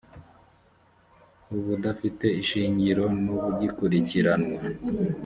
ubudafite ishingiro n ‘ubugikurikiranwa.